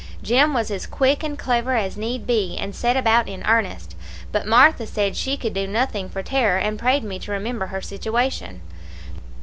Jim was as quick and clever as need be, and set about in earnest; but Martha said she could do nothing for terror, and prayed me to remember her situation.